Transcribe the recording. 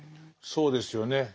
そうですよね。